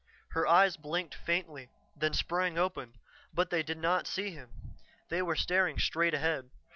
Her eyes blinked faintly, then sprang open. But they did not see him; they were staring straight ahead.